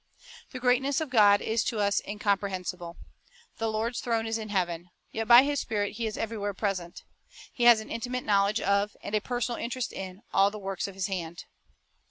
The greatness of God is to us incomprehensible. "The Lord's throne is in heaven;" 4 yet by His Spirit omnipresence; pr e j s everywhere present. He has an intimate knowl Omniscicnce edge of, and a personal interest in, all the works of His hand.